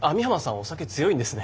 お酒強いんですね。